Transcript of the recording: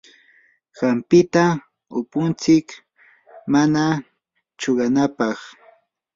hampita upuntsik mana chuqanapaq.